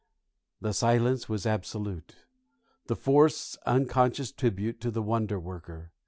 The silence was absolute, the forest's unconscious tribute to the Wonder Worker.